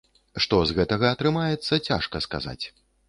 Што з гэтага атрымаецца, цяжка сказаць.